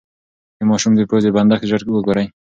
د ماشوم د پوزې بندښت ژر وګورئ.